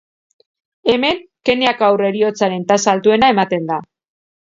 Hemen Kenyako haur heriotzaren tasa altuena ematen da.